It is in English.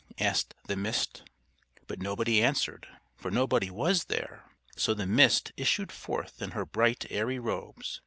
asked the Mist. But nobody answered, for nobody was there. So the Mist issued forth in her bright, airy robes.